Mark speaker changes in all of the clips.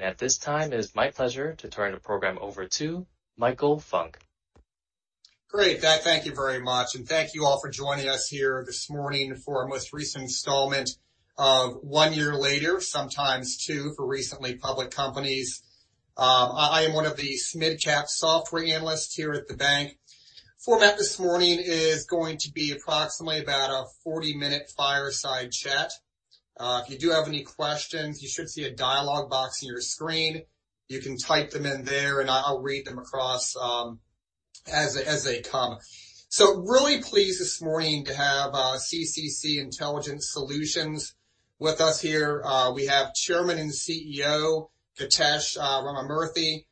Speaker 1: At this time, it is my pleasure to turn the program over to Michael Funk.
Speaker 2: Great, thank you very much, and thank you all for joining us here this morning for our most recent installment of One Year Later, sometimes Two for recently public companies. I am one of the mid-cap software analysts here at the bank. The format this morning is going to be approximately about a 40-minute fireside chat. If you do have any questions, you should see a dialog box on your screen. You can type them in there, and I'll read them across as they come. So really pleased this morning to have CCC Intelligent Solutions with us here. We have Chairman and CEO, Githesh Ramamurthy,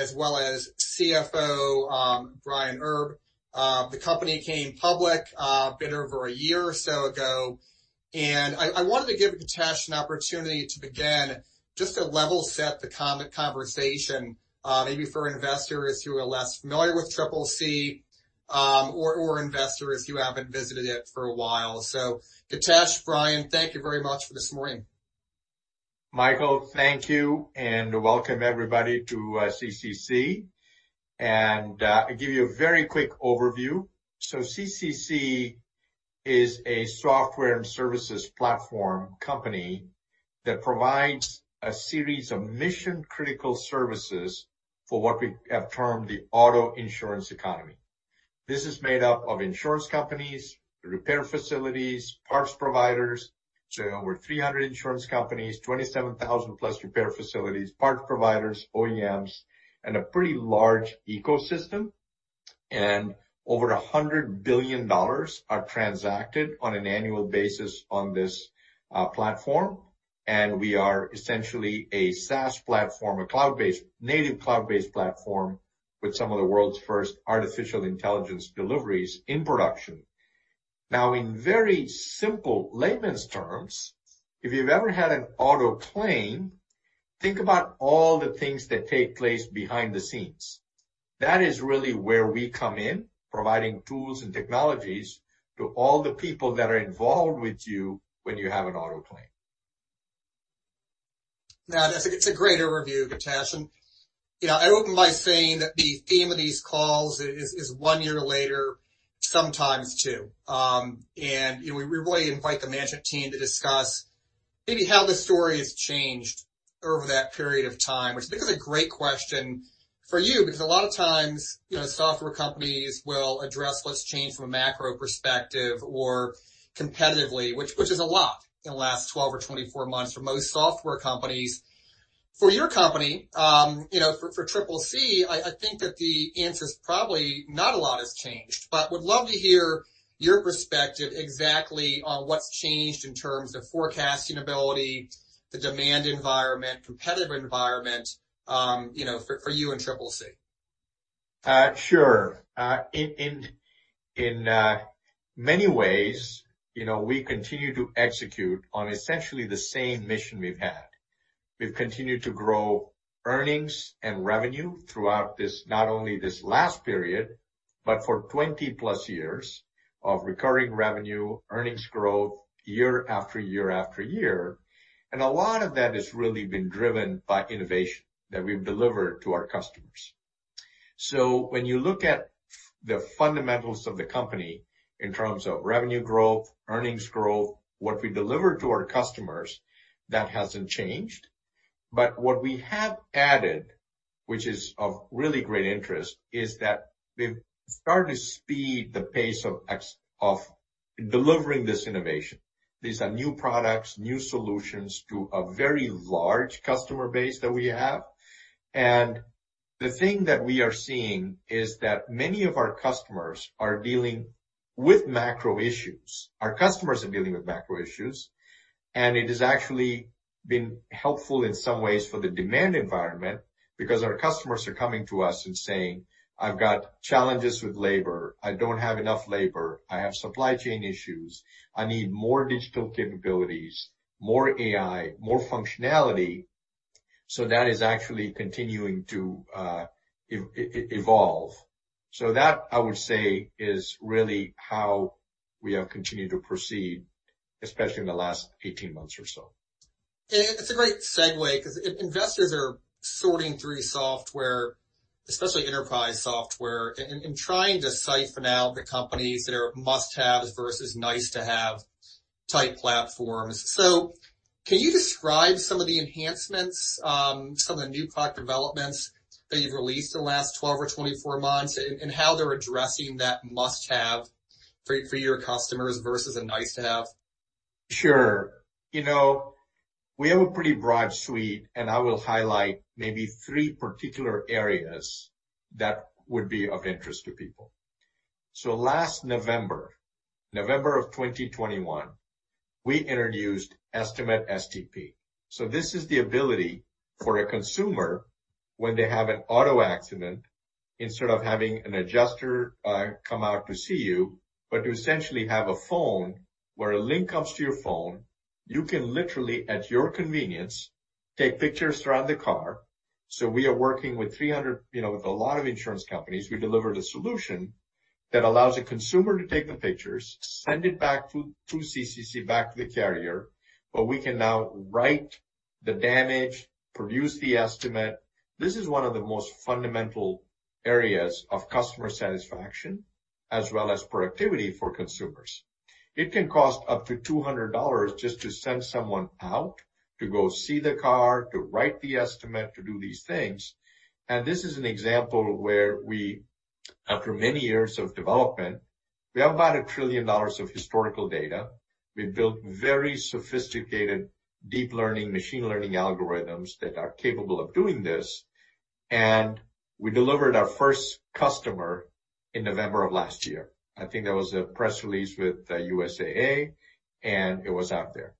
Speaker 2: as well as CFO, Brian Herb. The company came public a bit over a year or so ago, and I wanted to give Githesh an opportunity to begin just to level set the conversation, maybe for investors who are less familiar with CCC or investors who haven't visited it for a while. So Githesh, Brian, thank you very much for this morning.
Speaker 3: Michael, thank you, and welcome everybody to CCC. I'll give you a very quick overview. So CCC is a software and services platform company that provides a series of mission-critical services for what we have termed the auto insurance economy. This is made up of insurance companies, repair facilities, parts providers, so over 300 insurance companies, 27,000 plus repair facilities, parts providers, OEMs, and a pretty large ecosystem, and over $100 billion are transacted on an annual basis on this platform. We are essentially a SaaS platform, a native cloud-based platform with some of the world's first artificial intelligence deliveries in production. Now, in very simple layman's terms, if you've ever had an auto claim, think about all the things that take place behind the scenes. That is really where we come in, providing tools and technologies to all the people that are involved with you when you have an auto claim.
Speaker 2: Yeah, that's a great overview, Githesh. And I opened by saying that the theme of these calls is One Year Later, Sometimes Two. And we really invite the management team to discuss maybe how the story has changed over that period of time, which is a great question for you because a lot of times software companies will address, "Let's change from a macro perspective or competitively," which is a lot in the last 12 or 24 months for most software companies. For your company, for CCC, I think that the answer is probably not a lot has changed, but would love to hear your perspective exactly on what's changed in terms of forecasting ability, the demand environment, competitive environment for you and CCC.
Speaker 3: Sure. In many ways, we continue to execute on essentially the same mission we've had. We've continued to grow earnings and revenue throughout not only this last period, but for 20-plus years of recurring revenue, earnings growth year after year after year. And a lot of that has really been driven by innovation that we've delivered to our customers. So when you look at the fundamentals of the company in terms of revenue growth, earnings growth, what we deliver to our customers, that hasn't changed. But what we have added, which is of really great interest, is that we've started to speed the pace of delivering this innovation. These are new products, new solutions to a very large customer base that we have. And the thing that we are seeing is that many of our customers are dealing with macro issues. Our customers are dealing with macro issues, and it has actually been helpful in some ways for the demand environment because our customers are coming to us and saying, "I've got challenges with labor. I don't have enough labor. I have supply chain issues. I need more digital capabilities, more AI, more functionality." So that is actually continuing to evolve. So that, I would say, is really how we have continued to proceed, especially in the last 18 months or so.
Speaker 2: It's a great segue because investors are sorting through software, especially enterprise software, and trying to siphon out the companies that are must-haves versus nice-to-have type platforms. So can you describe some of the enhancements, some of the new product developments that you've released in the last 12 or 24 months, and how they're addressing that must-have for your customers versus a nice-to-have?
Speaker 3: Sure. We have a pretty broad suite, and I will highlight maybe three particular areas that would be of interest to people. So last November, November of 2021, we introduced Estimate STP. So this is the ability for a consumer, when they have an auto accident, instead of having an adjuster come out to see you, but to essentially have a phone where a link comes to your phone, you can literally, at your convenience, take pictures throughout the car. So we are working with 300, with a lot of insurance companies. We delivered a solution that allows a consumer to take the pictures, send it back to CCC, back to the carrier, but we can now write the damage, produce the estimate. This is one of the most fundamental areas of customer satisfaction as well as productivity for consumers. It can cost up to $200 just to send someone out to go see the car, to write the estimate, to do these things. And this is an example where we, after many years of development, we have about a trillion dollars of historical data. We've built very sophisticated deep learning, machine learning algorithms that are capable of doing this. And we delivered our first customer in November of last year. I think that was a press release with USAA, and it was out there.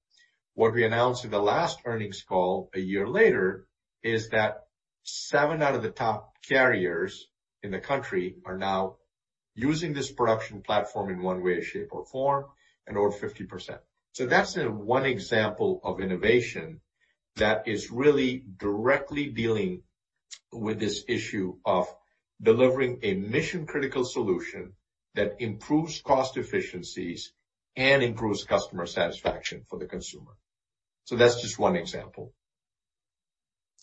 Speaker 3: What we announced at the last earnings call a year later is that seven out of the top carriers in the country are now using this production platform in one way, shape, or form, and over 50%. So that's one example of innovation that is really directly dealing with this issue of delivering a mission-critical solution that improves cost efficiencies and improves customer satisfaction for the consumer. So that's just one example.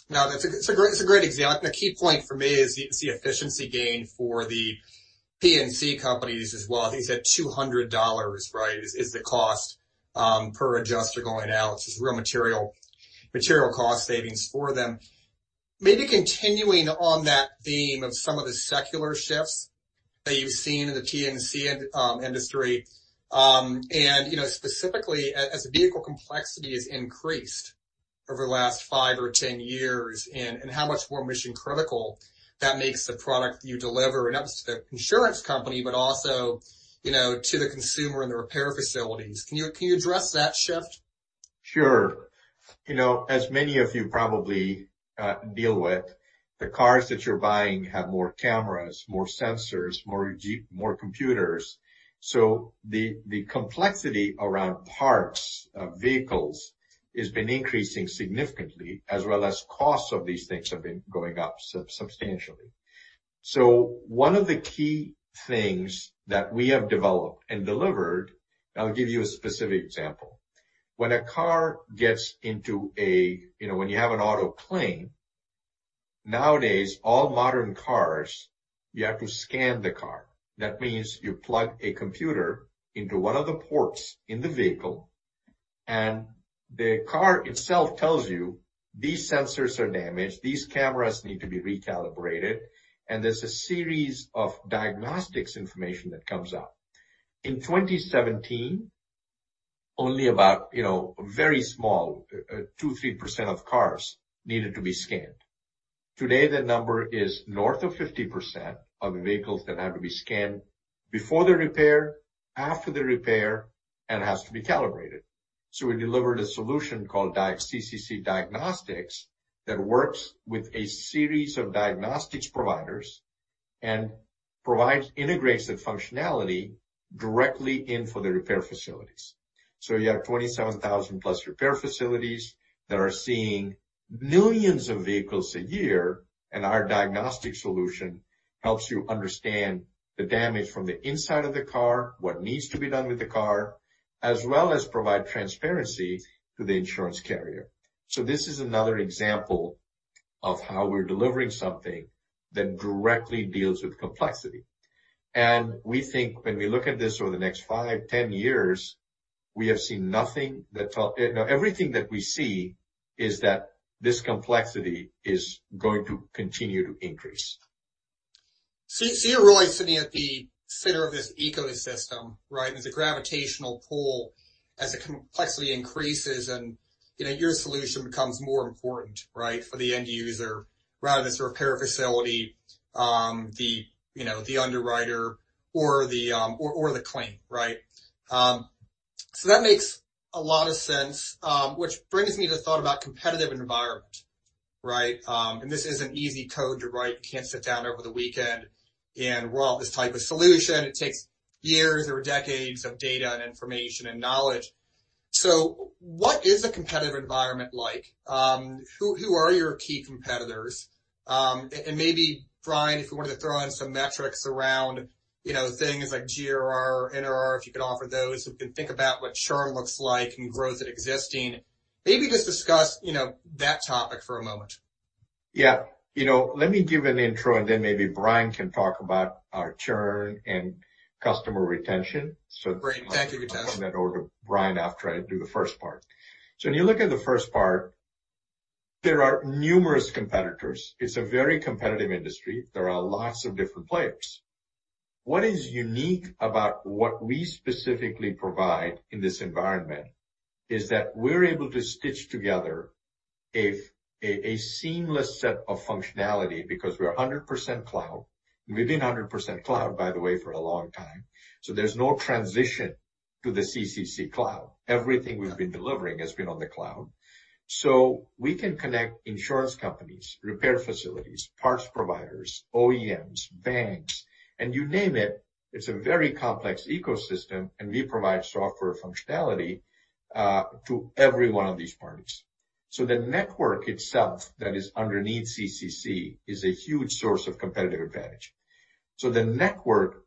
Speaker 2: Now, that's a great example. The key point for me is the efficiency gain for the P&C companies as well. I think you said $200, right, is the cost per adjuster going out. It's just real material cost savings for them. Maybe continuing on that theme of some of the secular shifts that you've seen in the P&C industry, and specifically as vehicle complexity has increased over the last five or 10 years and how much more mission-critical that makes the product you deliver, and that was to the insurance company, but also to the consumer and the repair facilities. Can you address that shift?
Speaker 3: Sure. As many of you probably deal with, the cars that you're buying have more cameras, more sensors, more computers. So the complexity around parts of vehicles has been increasing significantly, as well as costs of these things have been going up substantially. So one of the key things that we have developed and delivered, and I'll give you a specific example. When you have an auto claim, nowadays, all modern cars, you have to scan the car. That means you plug a computer into one of the ports in the vehicle, and the car itself tells you, "These sensors are damaged. These cameras need to be recalibrated." And there's a series of diagnostics information that comes out. In 2017, only about a very small 2-3% of cars needed to be scanned. Today, the number is north of 50% of vehicles that have to be scanned before the repair, after the repair, and has to be calibrated. So we delivered a solution called CCC Diagnostics that works with a series of diagnostics providers and integrates the functionality directly in for the repair facilities. So you have 27,000 plus repair facilities that are seeing millions of vehicles a year, and our diagnostic solution helps you understand the damage from the inside of the car, what needs to be done with the car, as well as provide transparency to the insurance carrier. So this is another example of how we're delivering something that directly deals with complexity. And we think when we look at this over the next five, 10 years, now everything that we see is that this complexity is going to continue to increase.
Speaker 2: So you're really sitting at the center of this ecosystem, right? There's a gravitational pull as the complexity increases and your solution becomes more important, right, for the end user, rather than the repair facility, the underwriter, or the claim, right? So that makes a lot of sense, which brings me to the thought about competitive environment, right? And this isn't easy code to write. You can't sit down over the weekend and roll out this type of solution. It takes years or decades of data and information and knowledge. So what is a competitive environment like? Who are your key competitors? And maybe, Brian, if you wanted to throw in some metrics around things like GRR, NRR, if you could offer those, we can think about what churn looks like and growth at existing. Maybe just discuss that topic for a moment.
Speaker 3: Yeah. Let me give an intro and then maybe Brian can talk about our churn and customer retention.
Speaker 2: Great. Thank you, Githesh.
Speaker 3: I'll turn that over to Brian after I do the first part. When you look at the first part, there are numerous competitors. It's a very competitive industry. There are lots of different players. What is unique about what we specifically provide in this environment is that we're able to stitch together a seamless set of functionality because we're 100% cloud. We've been 100% cloud, by the way, for a long time. There's no transition to the CCC cloud. Everything we've been delivering has been on the cloud. We can connect insurance companies, repair facilities, parts providers, OEMs, banks, and you name it. It's a very complex ecosystem, and we provide software functionality to every one of these parties. The network itself that is underneath CCC is a huge source of competitive advantage. So the network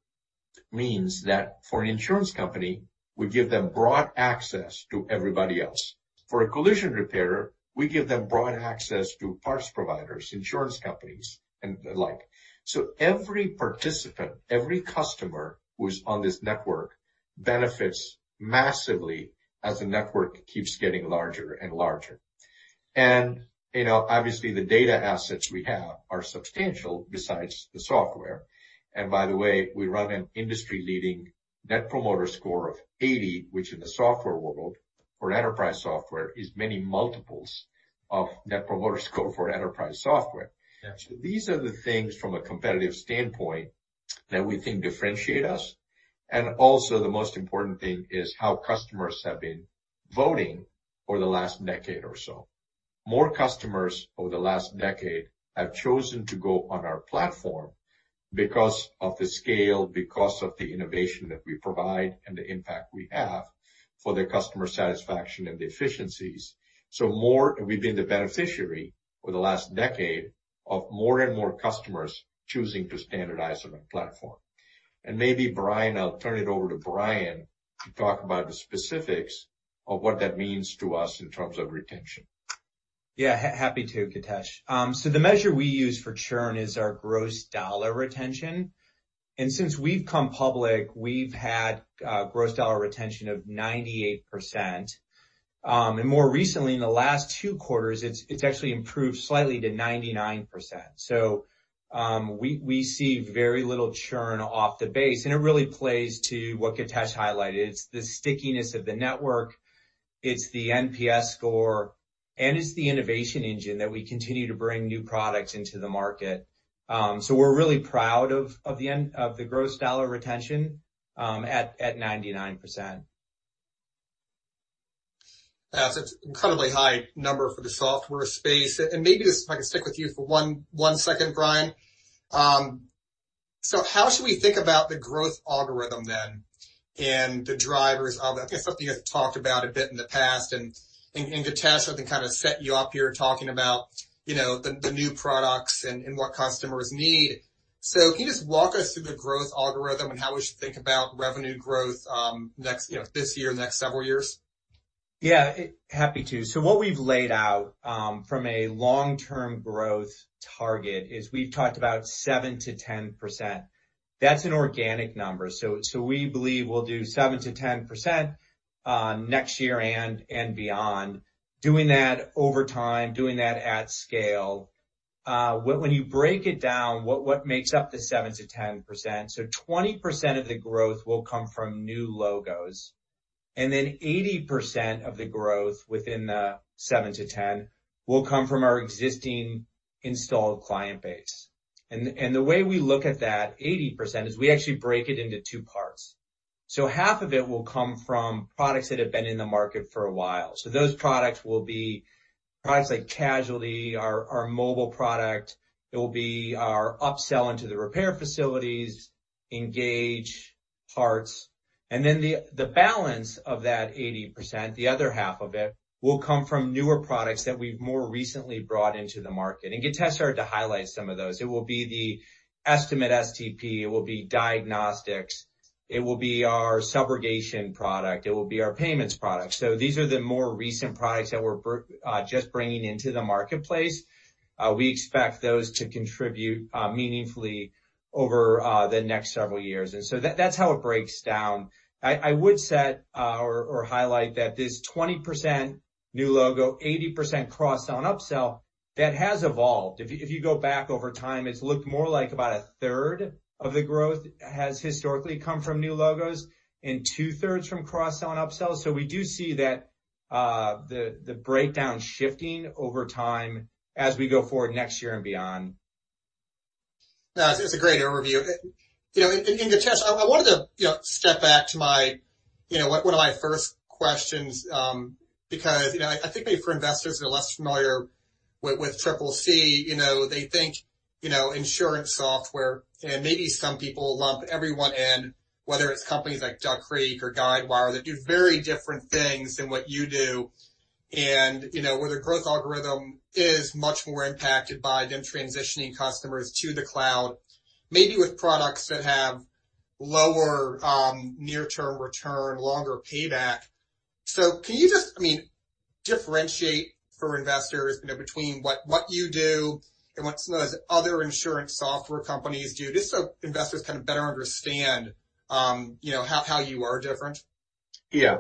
Speaker 3: means that for an insurance company, we give them broad access to everybody else. For a collision repair, we give them broad access to parts providers, insurance companies, and the like. So every participant, every customer who's on this network benefits massively as the network keeps getting larger and larger. And obviously, the data assets we have are substantial besides the software. And by the way, we run an industry-leading Net Promoter Score of 80, which in the software world for enterprise software is many multiples of Net Promoter Score for enterprise software. So these are the things from a competitive standpoint that we think differentiate us. And also, the most important thing is how customers have been voting over the last decade or so. More customers over the last decade have chosen to go on our platform because of the scale, because of the innovation that we provide and the impact we have for their customer satisfaction and the efficiencies. So we've been the beneficiary over the last decade of more and more customers choosing to standardize on our platform, and maybe, Brian, I'll turn it over to Brian to talk about the specifics of what that means to us in terms of retention.
Speaker 4: Yeah. Happy to, Githesh. So the measure we use for churn is our gross dollar retention. And since we've come public, we've had gross dollar retention of 98%. And more recently, in the last two quarters, it's actually improved slightly to 99%. So we see very little churn off the base. And it really plays to what Githesh highlighted. It's the stickiness of the network. It's the NPS score. And it's the innovation engine that we continue to bring new products into the market. So we're really proud of the gross dollar retention at 99%.
Speaker 2: That's an incredibly high number for the software space. And maybe if I could stick with you for one second, Brian. So how should we think about the growth algorithm then and the drivers of it? I think it's something you have talked about a bit in the past. And Githesh, I think kind of set you up here talking about the new products and what customers need. So can you just walk us through the growth algorithm and how we should think about revenue growth this year, the next several years?
Speaker 4: Yeah. Happy to. So what we've laid out from a long-term growth target is we've talked about 7%-10%. That's an organic number. So we believe we'll do 7%-10% next year and beyond, doing that over time, doing that at scale. When you break it down, what makes up the 7%-10%? So 20% of the growth will come from new logos. And then 80% of the growth within the 7%-10% will come from our existing installed client base. And the way we look at that 80% is we actually break it into two parts. So half of it will come from products that have been in the market for a while. So those products will be products like Casualty, our Mobile product. It will be our upsell into the repair facilities, Engage, Parts. And then the balance of that 80%, the other half of it, will come from newer products that we've more recently brought into the market. And Githesh started to highlight some of those. It will be the Estimate STP. It will be Diagnostics. It will be our Subrogation product. It will be our Payments product. So these are the more recent products that we're just bringing into the marketplace. We expect those to contribute meaningfully over the next several years. And so that's how it breaks down. I would say or highlight that this 20% new logo, 80% cross-sell and upsell, that has evolved. If you go back over time, it's looked more like about a third of the growth has historically come from new logos and two-thirds from cross-sell and upsell. So we do see that the breakdown shifting over time as we go forward next year and beyond.
Speaker 2: Yeah. It's a great overview, and Githesh, I wanted to step back to one of my first questions because I think maybe for investors that are less familiar with CCC, they think insurance software, and maybe some people lump everyone in, whether it's companies like Duck Creek or Guidewire that do very different things than what you do, and where the growth algorithm is much more impacted by them transitioning customers to the cloud, maybe with products that have lower near-term return, longer payback. So can you just, I mean, differentiate for investors between what you do and what some of those other insurance software companies do, just so investors kind of better understand how you are different?
Speaker 3: Yeah.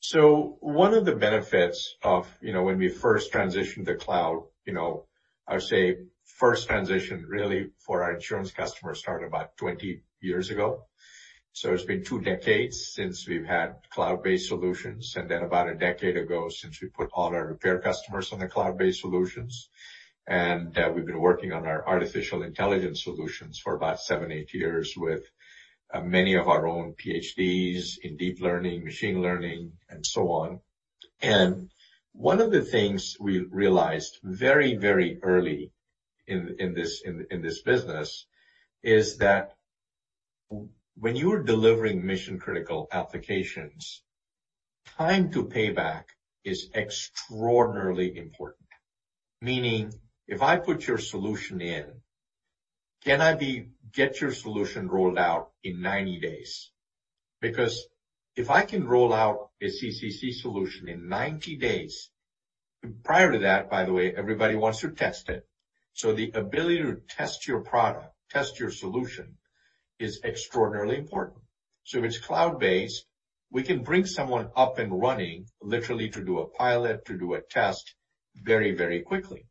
Speaker 3: So one of the benefits of when we first transitioned to cloud, I would say first transition really for our insurance customers started about 20 years ago. So it's been two decades since we've had cloud-based solutions, and then about a decade ago since we put all our repair customers on the cloud-based solutions. And we've been working on our artificial intelligence solutions for about seven, eight years with many of our own PhDs in deep learning, machine learning, and so on. And one of the things we realized very, very early in this business is that when you're delivering mission-critical applications, time to payback is extraordinarily important. Meaning, if I put your solution in, can I get your solution rolled out in 90 days? Because if I can roll out a CCC solution in 90 days, prior to that, by the way, everybody wants to test it. So the ability to test your product, test your solution is extraordinarily important. So if it's cloud-based, we can bring someone up and running literally to do a pilot, to do a test very, very quickly.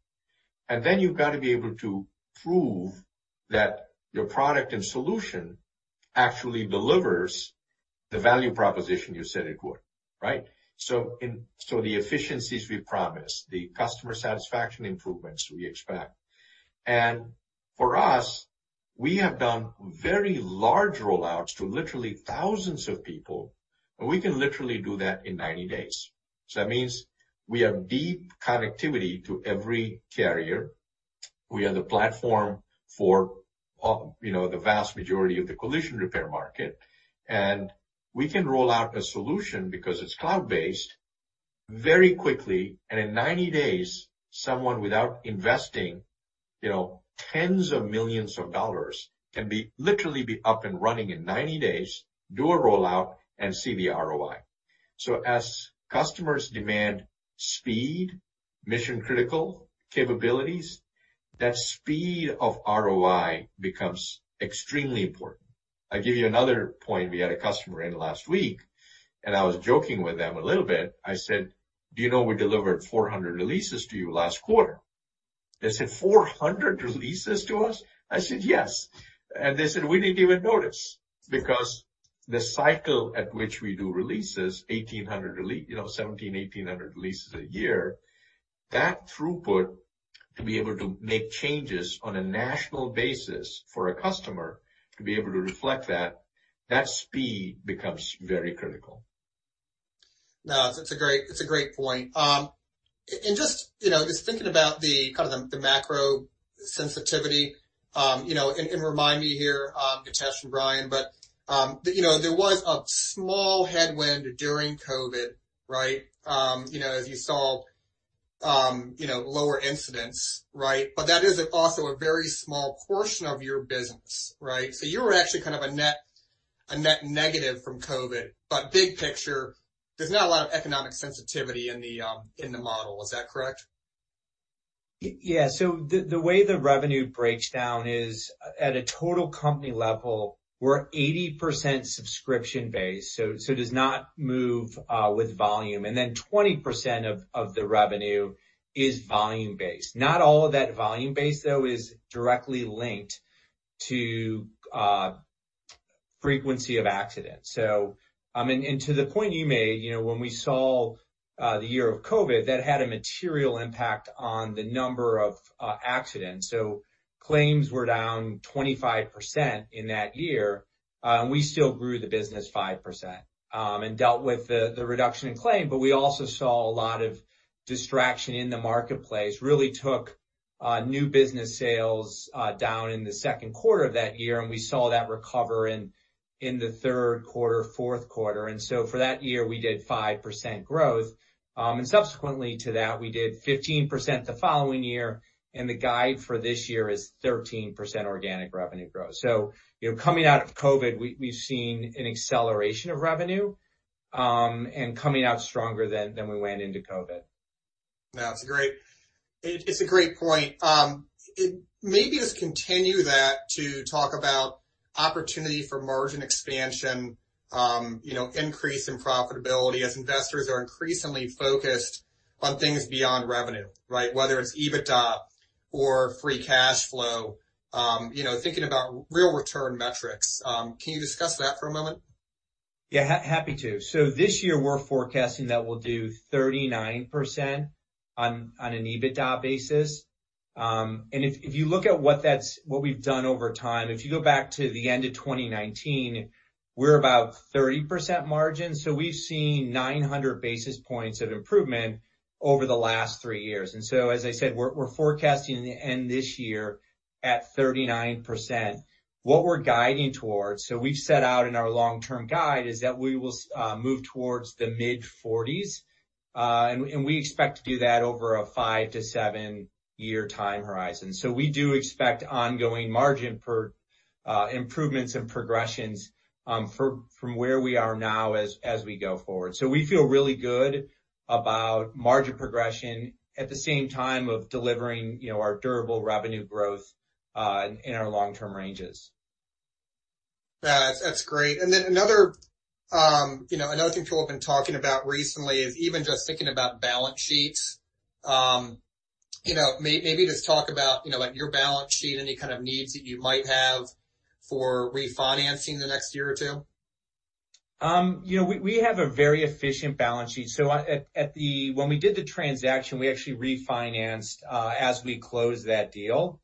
Speaker 3: And then you've got to be able to prove that your product and solution actually delivers the value proposition you said it would, right? So the efficiencies we promised, the customer satisfaction improvements we expect. And for us, we have done very large rollouts to literally thousands of people, and we can literally do that in 90 days. So that means we have deep connectivity to every carrier. We are the platform for the vast majority of the collision repair market. And we can roll out a solution because it's cloud-based very quickly. And in 90 days, someone without investing tens of millions of dollars can literally be up and running in 90 days, do a rollout, and see the ROI. So as customers demand speed, mission-critical capabilities, that speed of ROI becomes extremely important. I'll give you another point. We had a customer in last week, and I was joking with them a little bit. I said, "Do you know we delivered 400 releases to you last quarter?" They said, "400 releases to us?" I said, "Yes." And they said, "We didn't even notice." Because the cycle at which we do releases, 1,700 releases a year, that throughput to be able to make changes on a national basis for a customer to be able to reflect that, that speed becomes very critical.
Speaker 2: No, it's a great point, and just thinking about kind of the macro sensitivity, and remind me here, Githesh and Brian, but there was a small headwind during COVID, right? As you saw lower incidents, right, but that is also a very small portion of your business, right, so you were actually kind of a net negative from COVID, but big picture, there's not a lot of economic sensitivity in the model. Is that correct?
Speaker 4: Yeah. So the way the revenue breaks down is at a total company level, we're 80% subscription-based. So it does not move with volume. And then 20% of the revenue is volume-based. Not all of that volume-based, though, is directly linked to frequency of accidents. And to the point you made, when we saw the year of COVID, that had a material impact on the number of accidents. So claims were down 25% in that year. And we still grew the business 5% and dealt with the reduction in claim. But we also saw a lot of distraction in the marketplace, really took new business sales down in the second quarter of that year. And we saw that recover in the third quarter, fourth quarter. And so for that year, we did 5% growth. And subsequently to that, we did 15% the following year. The guide for this year is 13% organic revenue growth. Coming out of COVID, we've seen an acceleration of revenue and coming out stronger than we went into COVID.
Speaker 2: No, it's a great point. And maybe let's continue that to talk about opportunity for margin expansion, increase in profitability as investors are increasingly focused on things beyond revenue, right? Whether it's EBITDA or free cash flow, thinking about real return metrics. Can you discuss that for a moment?
Speaker 4: Yeah. Happy to. So this year, we're forecasting that we'll do 39% on an EBITDA basis. And if you look at what we've done over time, if you go back to the end of 2019, we're about 30% margin. So we've seen 900 basis points of improvement over the last three years. And so, as I said, we're forecasting the end this year at 39%. What we're guiding towards, so we've set out in our long-term guide, is that we will move towards the mid-40s. And we expect to do that over a five to seven-year time horizon. So we do expect ongoing margin improvements and progressions from where we are now as we go forward. So we feel really good about margin progression at the same time of delivering our durable revenue growth in our long-term ranges.
Speaker 2: Yeah. That's great. And then another thing people have been talking about recently is even just thinking about balance sheets. Maybe just talk about your balance sheet and any kind of needs that you might have for refinancing the next year or two?
Speaker 4: We have a very efficient balance sheet. So when we did the transaction, we actually refinanced as we closed that deal.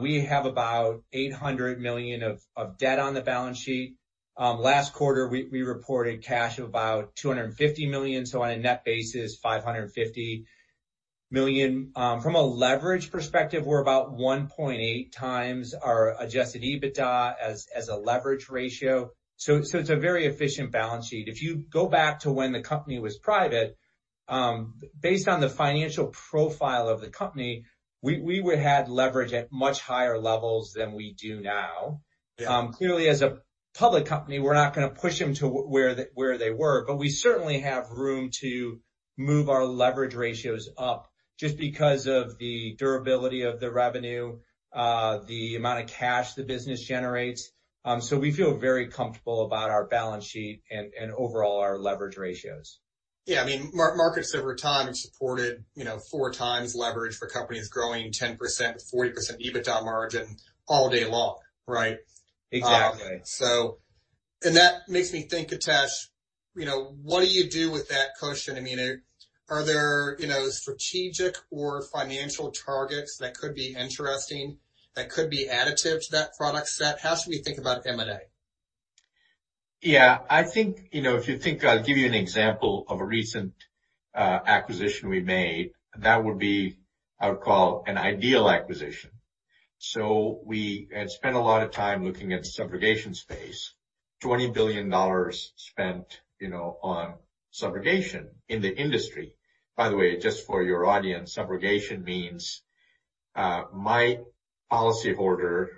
Speaker 4: We have about $800 million of debt on the balance sheet. Last quarter, we reported cash of about $250 million. So on a net basis, $550 million. From a leverage perspective, we're about 1.8 times our Adjusted EBITDA as a leverage ratio. So it's a very efficient balance sheet. If you go back to when the company was private, based on the financial profile of the company, we would have leverage at much higher levels than we do now. Clearly, as a public company, we're not going to push them to where they were. But we certainly have room to move our leverage ratios up just because of the durability of the revenue, the amount of cash the business generates. We feel very comfortable about our balance sheet and overall our leverage ratios.
Speaker 2: Yeah. I mean, markets over time have supported four times leverage for companies growing 10%-40% EBITDA margin all day long, right?
Speaker 4: Exactly.
Speaker 2: That makes me think, Githesh, what do you do with that cushion? I mean, are there strategic or financial targets that could be interesting, that could be additive to that product set? How should we think about M&A?
Speaker 3: Yeah. I think if you think, I'll give you an example of a recent acquisition we made. That would be, I would call, an ideal acquisition. So we had spent a lot of time looking at the subrogation space, $20 billion spent on subrogation in the industry. By the way, just for your audience, subrogation means my policyholder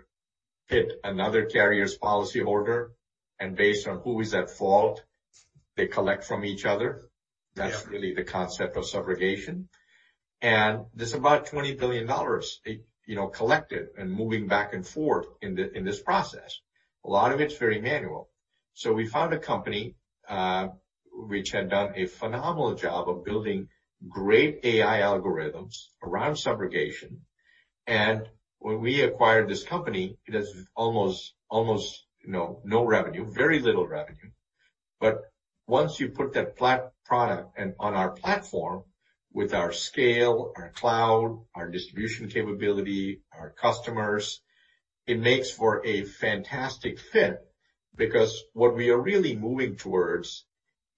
Speaker 3: hit another carrier's policyholder. And based on who is at fault, they collect from each other. That's really the concept of subrogation. And there's about $20 billion collected and moving back and forth in this process. A lot of it's very manual. So we found a company which had done a phenomenal job of building great AI algorithms around subrogation. And when we acquired this company, it has almost no revenue, very little revenue. But once you put that product on our platform with our scale, our cloud, our distribution capability, our customers, it makes for a fantastic fit because what we are really moving towards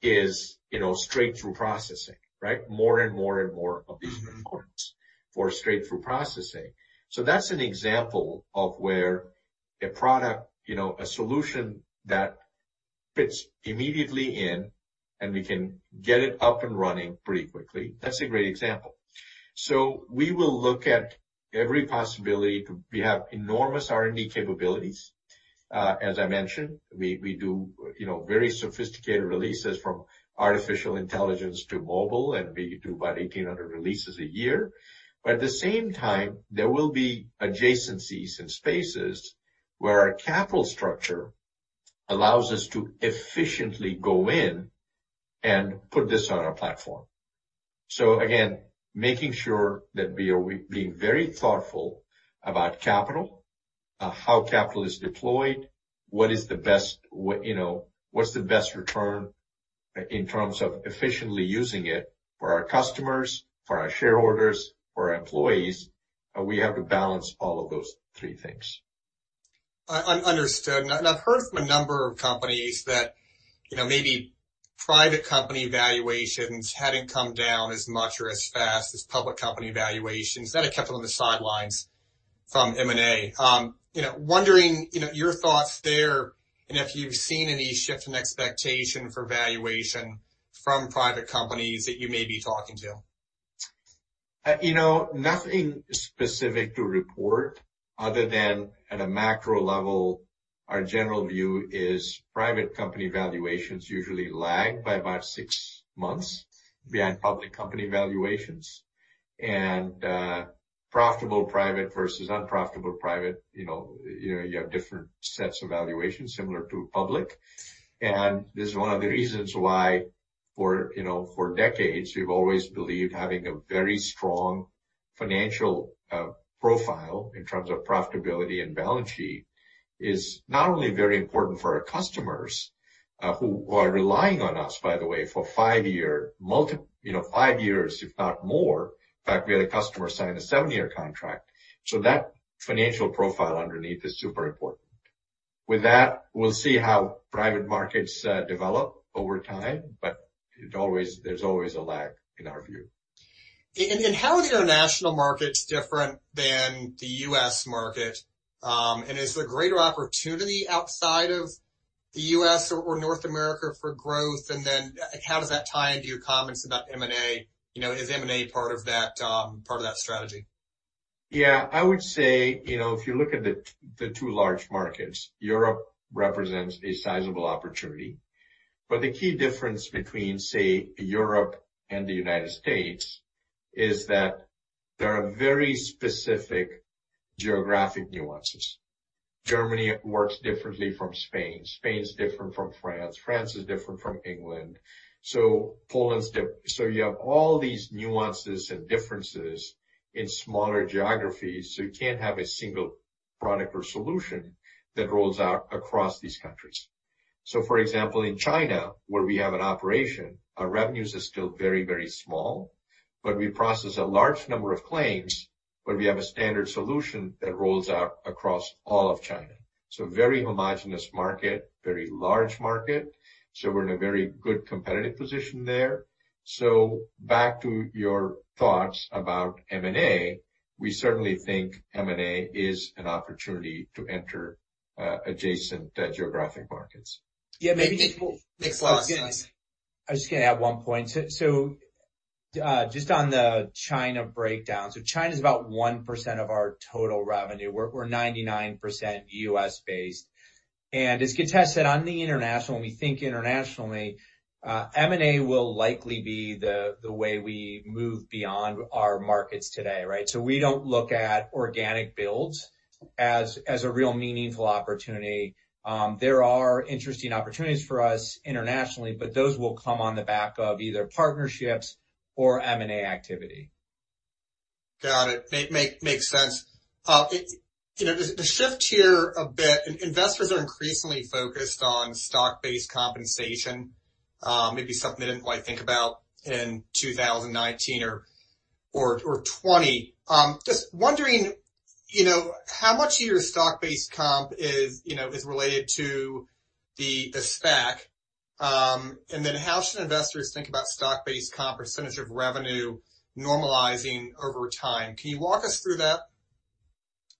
Speaker 3: is straight-through processing, right? More and more and more of these components for straight-through processing. So that's an example of where a product, a solution that fits immediately in, and we can get it up and running pretty quickly. That's a great example. So we will look at every possibility. We have enormous R&D capabilities. As I mentioned, we do very sophisticated releases from artificial intelligence to mobile, and we do about 1,800 releases a year. But at the same time, there will be adjacencies and spaces where our capital structure allows us to efficiently go in and put this on our platform. So again, making sure that we are being very thoughtful about capital, how capital is deployed, what is the best, what's the best return in terms of efficiently using it for our customers, for our shareholders, for our employees. We have to balance all of those three things.
Speaker 2: I understand. And I've heard from a number of companies that maybe private company valuations hadn't come down as much or as fast as public company valuations that had kept them on the sidelines from M&A. Wondering your thoughts there and if you've seen any shift in expectation for valuation from private companies that you may be talking to?
Speaker 3: Nothing specific to report other than at a macro level, our general view is private company valuations usually lag by about six months behind public company valuations. And profitable private versus unprofitable private, you have different sets of valuations similar to public. And this is one of the reasons why for decades, we've always believed having a very strong financial profile in terms of profitability and balance sheet is not only very important for our customers who are relying on us, by the way, for five years, if not more. In fact, we had a customer sign a seven-year contract. So that financial profile underneath is super important. With that, we'll see how private markets develop over time. But there's always a lag in our view.
Speaker 2: And how are the international markets different than the U.S. market? And is there greater opportunity outside of the U.S. or North America for growth? And then how does that tie into your comments about M&A? Is M&A part of that strategy?
Speaker 3: Yeah. I would say if you look at the two large markets, Europe represents a sizable opportunity. But the key difference between, say, Europe and the United States is that there are very specific geographic nuances. Germany works differently from Spain. Spain's different from France. France is different from England. So you have all these nuances and differences in smaller geographies. So you can't have a single product or solution that rolls out across these countries. So for example, in China, where we have an operation, our revenues are still very, very small. But we process a large number of claims, but we have a standard solution that rolls out across all of China. So very homogenous market, very large market. So we're in a very good competitive position there. So back to your thoughts about M&A, we certainly think M&A is an opportunity to enter adjacent geographic markets.
Speaker 4: Yeah. Maybe next slide. I was just going to add one point. So just on the China breakdown, so China is about 1% of our total revenue. We're 99% US-based, and as Githesh said, on the international, when we think internationally, M&A will likely be the way we move beyond our markets today, right? So we don't look at organic builds as a real meaningful opportunity. There are interesting opportunities for us internationally, but those will come on the back of either partnerships or M&A activity.
Speaker 2: Got it. Makes sense. The shift here a bit, investors are increasingly focused on stock-based compensation, maybe something they didn't quite think about in 2019 or 2020. Just wondering how much of your stock-based comp is related to the SPAC? And then how should investors think about stock-based comp percentage of revenue normalizing over time? Can you walk us through that?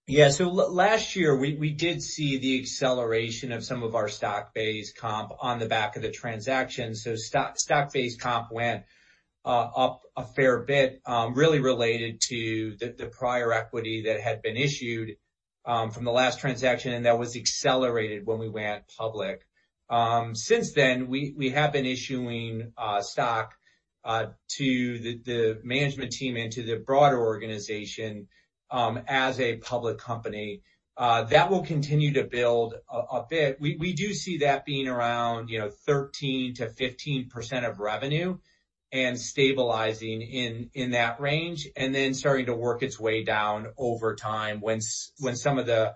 Speaker 4: Yeah. So last year, we did see the acceleration of some of our stock-based comp on the back of the transaction. So stock-based comp went up a fair bit, really related to the prior equity that had been issued from the last transaction. And that was accelerated when we went public. Since then, we have been issuing stock to the management team and to the broader organization as a public company. That will continue to build a bit. We do see that being around 13%-15% of revenue and stabilizing in that range, and then starting to work its way down over time when some of the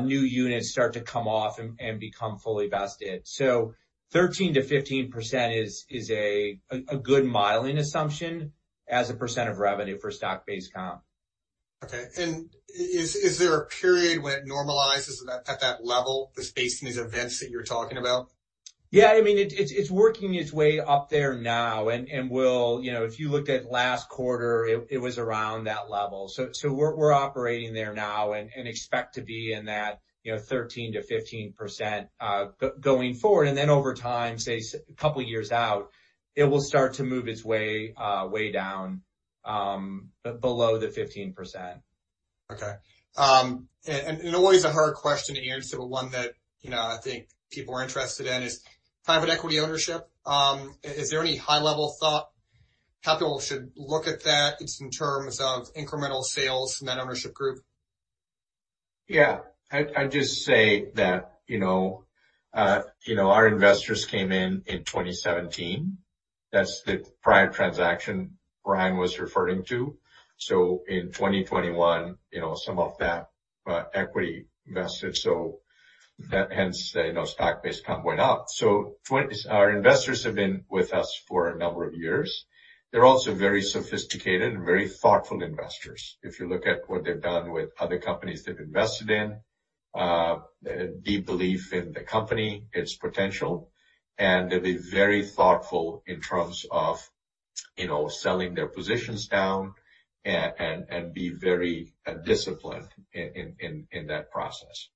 Speaker 4: new units start to come off and become fully vested. So 13%-15% is a good working assumption as a percent of revenue for stock-based comp.
Speaker 2: Okay, and is there a period when it normalizes at that level, the space in these events that you're talking about?
Speaker 4: Yeah. I mean, it's working its way up there now. And if you looked at last quarter, it was around that level. So we're operating there now and expect to be in that 13%-15% going forward. And then over time, say, a couple of years out, it will start to move its way down below the 15%.
Speaker 2: Okay. And always a hard question to answer, but one that I think people are interested in is private equity ownership. Is there any high-level thought, capital should look at that in terms of incremental sales in that ownership group?
Speaker 3: Yeah. I'd just say that our investors came in in 2017. That's the prior transaction Brian was referring to. So in 2021, some of that equity invested. So hence, stock-based comp went up. So our investors have been with us for a number of years. They're also very sophisticated and very thoughtful investors. If you look at what they've done with other companies they've invested in, deep belief in the company, its potential. And they'll be very thoughtful in terms of selling their positions down and be very disciplined in that process.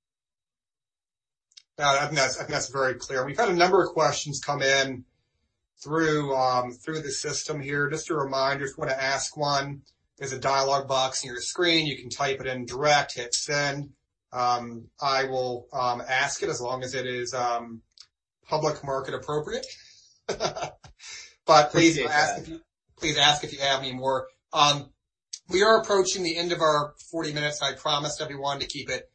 Speaker 2: I think that's very clear. We've had a number of questions come in through the system here. Just a reminder, just want to ask one. There's a dialog box on your screen. You can type it in direct, hit send. I will ask it as long as it is public market appropriate. But please ask if you have any more. We are approaching the end of our 40 minutes. I promised everyone to keep it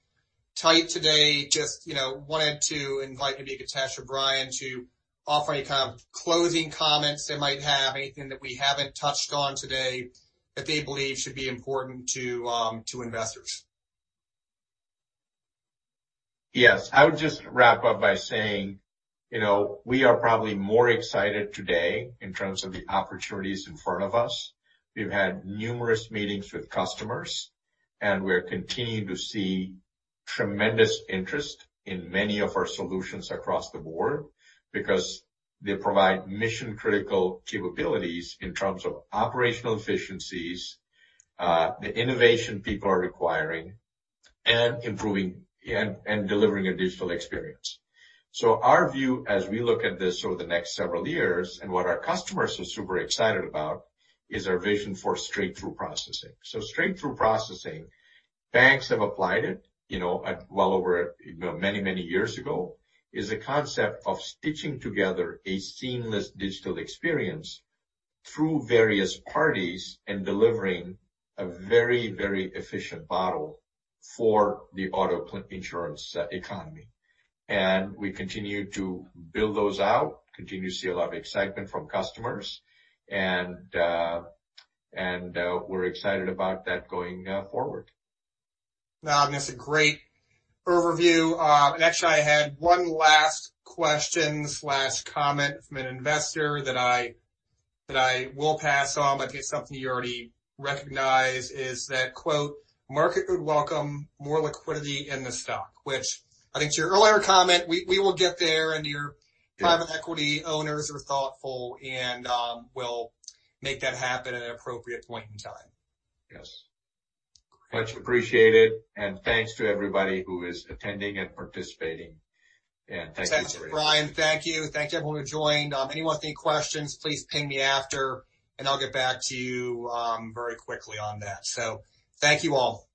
Speaker 2: tight today. Just wanted to invite maybe Githesh or Brian to offer any kind of closing comments they might have, anything that we haven't touched on today that they believe should be important to investors.
Speaker 3: Yes. I would just wrap up by saying we are probably more excited today in terms of the opportunities in front of us. We've had numerous meetings with customers, and we're continuing to see tremendous interest in many of our solutions across the board because they provide mission-critical capabilities in terms of operational efficiencies, the innovation people are requiring, and delivering a digital experience. So our view as we look at this over the next several years and what our customers are super excited about is our vision for straight-through processing. So straight-through processing, banks have applied it well over many, many years ago, is a concept of stitching together a seamless digital experience through various parties and delivering a very, very efficient model for the auto insurance economy. And we continue to build those out, continue to see a lot of excitement from customers. We're excited about that going forward.
Speaker 2: That's a great overview, and actually, I had one last question/comment from an investor that I will pass on, but it's something you already recognized, is that, "Market could welcome more liquidity in the stock," which I think to your earlier comment, we will get there, and your private equity owners are thoughtful and will make that happen at an appropriate point in time.
Speaker 3: Yes. Much appreciated, and thanks to everybody who is attending and participating, and thanks for everybody.
Speaker 2: Thanks, Brian. Thank you. Thank you to everyone who joined. Anyone with any questions, please ping me after, and I'll get back to you very quickly on that. So thank you all.